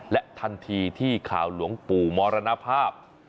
และทันทีที่ข่าวหลวงปู่มรณภาพ